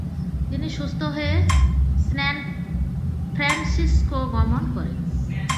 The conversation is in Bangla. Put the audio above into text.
তিনি সুস্থ হয়ে স্যান ফ্রানসিসকো গমন করেন।